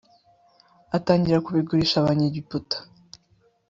atangira kubigurisha abanyegiputa